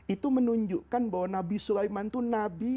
itu menunjukkan bahwa nabi sulaiman itu nabi